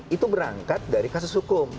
itu berangkat dari kasus hukum